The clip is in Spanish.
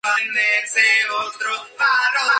Luego ocupó cargos en la Kiel, Halle y Marburgo.